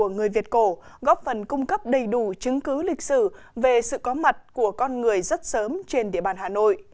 người việt cổ góp phần cung cấp đầy đủ chứng cứ lịch sử về sự có mặt của con người rất sớm trên địa bàn hà nội